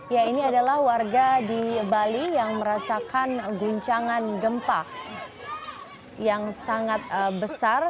ya ini adalah warga di bali yang merasakan guncangan gempa yang sangat besar